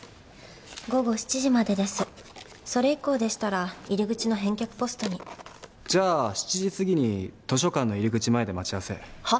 午後７時までですそれ以降でしたら入り口の返却ポストにじゃあ７時過ぎに図書館の入り口前で待ち合わせはっ？